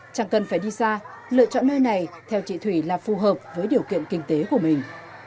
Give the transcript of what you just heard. chẳng cần phải đi xa lựa chọn nơi này theo chị thủy là phù hợp với điều kiện kinh tế của mình